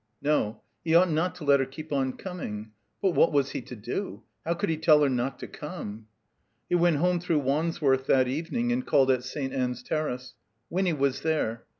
No. He ought not to let her keep on coming. But what was he to do? How could he tell her not to come? He went home through Wandsworth that evening and called at St. Ann's Terrace. Winny was there.